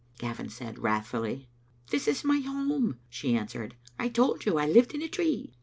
Gavin said, wrathfully. "This is my home," she answered. "I told you I lived in a tree."